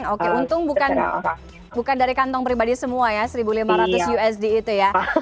oke untung bukan dari kantong pribadi semua ya seribu lima ratus usd itu ya